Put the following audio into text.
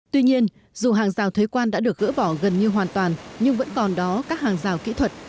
tuy nhiên dù hàng rào thuế quan đã được gỡ bỏ gần như hoàn toàn nhưng vẫn còn đó các hàng rào kỹ thuật